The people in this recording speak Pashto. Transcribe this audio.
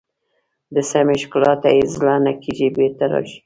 د سیمې ښکلا ته یې زړه نه کېږي بېرته راشئ.